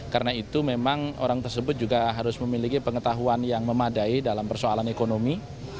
karena itu memang orang tersebut juga harus memiliki pengetahuan yang memadai dalam persoalan ekonomi